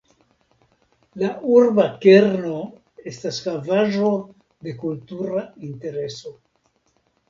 La urba kerno estas Havaĵo de Kultura Intereso.